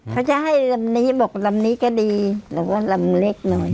เขาจะให้ลำนี้บอกลำนี้ก็ดีแล้วก็ลำเล็กหน่อย